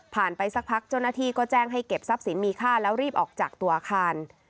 ไปสักพักเจ้าหน้าที่ก็แจ้งให้เก็บทรัพย์สินมีค่าแล้วรีบออกจากตัวอาคาร